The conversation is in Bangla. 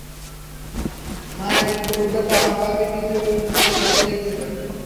মা নাকি কুকুরগুলোকে অস্বাভাবিক কিছু নিয়ে খেলতে দেখেছিলো।